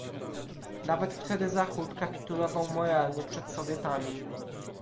Nawet wtedy Zachód kapitulował moralnie przed Sowietami